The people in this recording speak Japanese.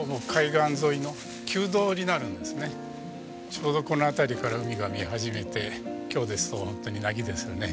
ちょうどこの辺りから海が見え始めて今日ですとホントになぎですよね。